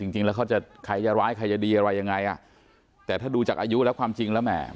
จริงแล้วเขาจะใครจะร้ายใครจะดีอะไรยังไงอ่ะแต่ถ้าดูจากอายุแล้วความจริงแล้วแหม